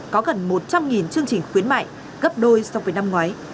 có gần một trăm linh chương trình khuyến mại gấp đôi so với năm ngoái